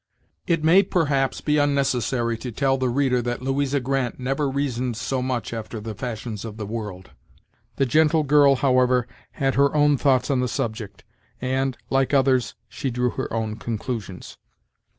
It may, perhaps, be unnecessary to tell the reader that Louisa Grant never reasoned so much after the fashions of the world. The gentle girl, however, had her own thoughts on the subject, and, like others, she drew her own conclusions.